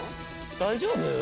・大丈夫？